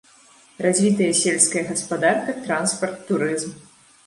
Развітыя сельская гаспадарка, транспарт, турызм.